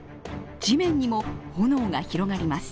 地面にも炎が広がります。